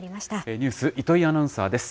ニュース、糸井アナウンサーです。